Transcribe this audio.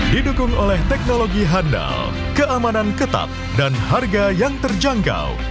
didukung oleh teknologi handal keamanan ketat dan harga yang terjangkau